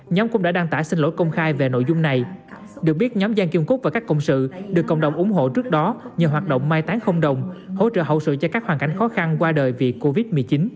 nhóm cũng đã đăng tải xin lỗi công khai về nội dung này được biết nhóm giang kiên cúc và các cộng sự được cộng đồng ủng hộ trước đó nhờ hoạt động mai tán không đồng hỗ trợ hậu sự cho các hoàn cảnh khó khăn qua đời vì covid một mươi chín